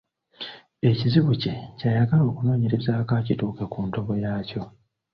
Ekizibu kye ky’ayagala okunoonyerezaako akituuke ku ntobo yaakyo.